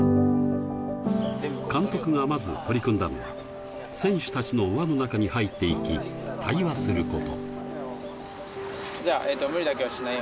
監督が、まず取り組んだのは選手たちの輪の中に入っていき対話すること。